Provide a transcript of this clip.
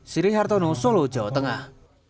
siri hartono solo jawa tengah